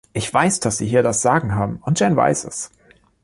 Ich weiß, dass Sie hier das Sagen haben, und Jeanne weiß es.